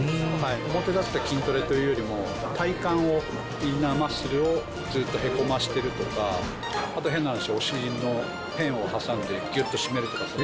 表立って筋トレというよりも、体幹を、インナーマッスルをずーっとへこませてるとか、あと変な話、お尻にペンを挟んでぎゅっと締めるとか。